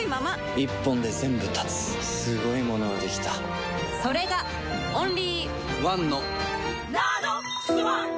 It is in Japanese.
一本で全部断つすごいものができたそれがオンリーワンの「ＮＡＮＯＸｏｎｅ」